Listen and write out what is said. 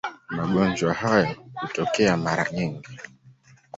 Magonjwa hayo hutokea mara nyingi.